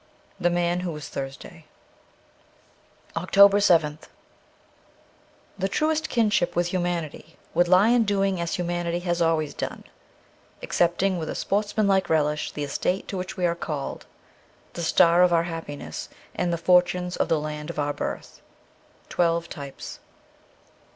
' The Man who was Thursday.' 312 OCTOBER 7th THE truest kinship with humanity would lie in doing as humanity has always done, accepting with a sportsman like relish the estate to which we are called, the star of our happiness, and the fortunes of the land of our birth. ' Twelve Types.'